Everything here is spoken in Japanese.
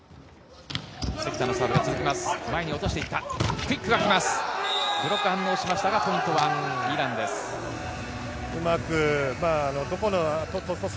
関田のサーブが続きます。